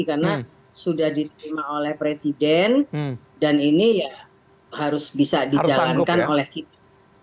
karena sudah diterima oleh presiden dan ini harus bisa dijalankan oleh kita